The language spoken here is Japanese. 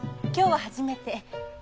今日は初めて。